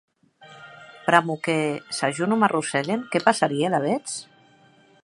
Pr'amor que, s'a jo non m'arrossèguen, qué passarie alavetz?